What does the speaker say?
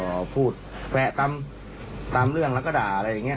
ก็พูดแวะตามตามเรื่องแล้วก็ด่าอะไรอย่างเง